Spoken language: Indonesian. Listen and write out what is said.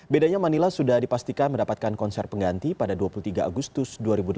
bedanya manila sudah dipastikan mendapatkan konser pengganti pada dua puluh tiga agustus dua ribu delapan belas